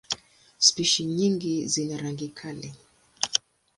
Spishi nyingi zina rangi kali.